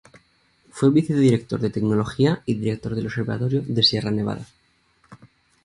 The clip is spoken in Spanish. Fue vicedirector de Tecnología y director del Observatorio de Sierra Nevada.